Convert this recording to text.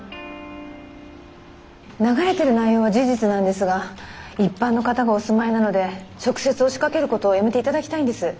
流れてる内容は事実なんですが一般の方がお住まいなので直接押しかけることはやめて頂きたいんです。